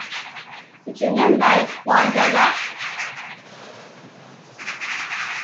The Junior Lions won the match.